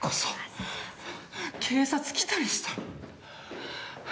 警察来たりしたら。